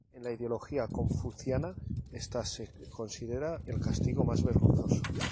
En la ideología confuciana esta se considera el castigo más vergonzoso.